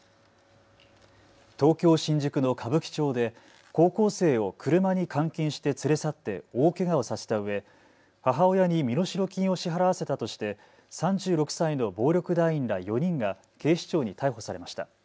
東京新宿の歌舞伎町で高校生を車に監禁して連れ去って大けがをさせたうえ母親に身代金を支払わせたとして３６歳の暴力団員ら４人が警視庁に逮捕されました。